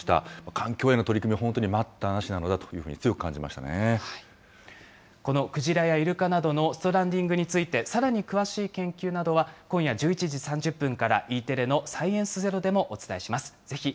環境への取り組み、本当に待ったなしなのだというふうに強く感じこのクジラやイルカなどのストランディングについてさらに詳しい研究などは、今夜１１時３０分から、ＥテレのサイエンスＺＥＲＯでもお伝えします。